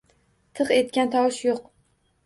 Tiq etgan tovush yoʻq